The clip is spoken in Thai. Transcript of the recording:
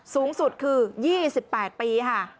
สูงสุดคือ๒๘ปีค่ะ